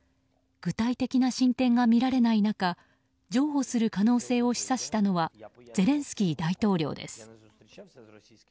具体的な進展が見られない中譲歩する可能性を示唆したのはゼレンスキー大統領です。